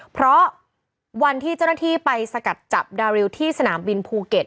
เพราะวันที่เจ้าหน้าที่ไปสกัดจับดาริวที่สนามบินภูเก็ต